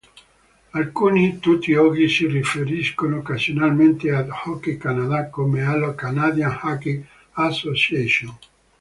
Alcuni tutt'oggi si riferiscono occasionalmente ad Hockey Canada come alla "Canadian Hockey Association".